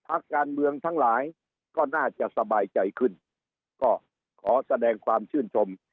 พักการเมืองทั้งหลายก็น่าจะสบายใจขึ้นก็ขอแสดงความชื่นชม